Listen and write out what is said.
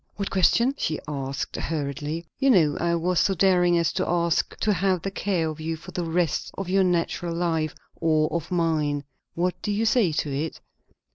"What question?" she asked hurriedly. "You know, I was so daring as to ask to have the care of you for the rest of your natural life or of mine. What do you say to it?"